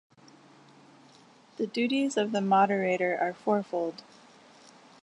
The duties of the Moderator are fourfold.